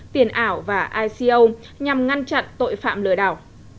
tiền ảo và ico nhằm ngăn chặn tội phạm lừa đảo